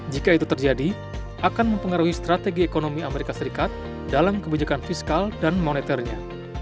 jika itu terjadi akan mempengaruhi strategi ekonomi amerika serikat dalam kebijakan fiskal dan moneternya